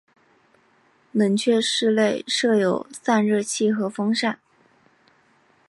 冷却室内设有散热器和风扇。